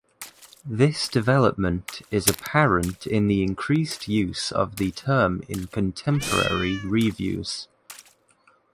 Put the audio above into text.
This development is apparent in the increased use of the term in contemporary reviews.